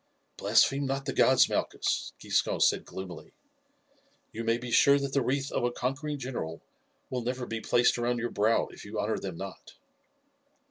"Blaspheme not the gods, Malchus," Giscon said gloomily; "you may be sure that the wreath of a conquering general will never be placed around your brow if you honour them not."